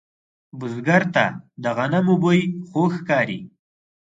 بزګر ته د غنمو بوی خوږ ښکاري